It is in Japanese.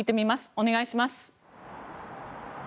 お願いします。